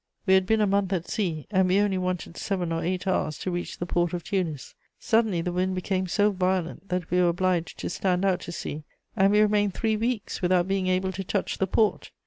"We had been a month at sea, and we only wanted seven or eight hours to reach the port of Tunis. Suddenly the wind became so violent that we were obliged to stand out to sea, and we remained three weeks without being able to touch the port.